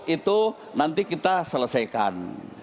itu nanti kita selesaikan